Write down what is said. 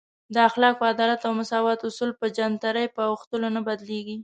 د اخلاقو، عدالت او مساوات اصول په جنترۍ په اوښتلو نه بدلیږي.